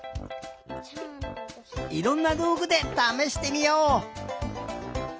いろんなどうぐでためしてみよう！